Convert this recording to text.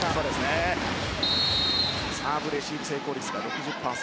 サーブレシーブ成功率が６０％。